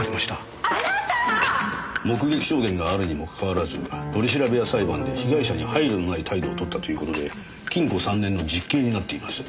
目撃証言があるにもかかわらず取り調べや裁判で被害者に配慮のない態度をとったという事で禁固３年の実刑になっています。